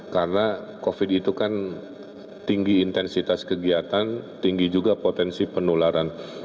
karena covid itu kan tinggi intensitas kegiatan tinggi juga potensi penularan